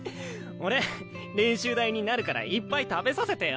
俺練習台になるからいっぱい食べさせてよ。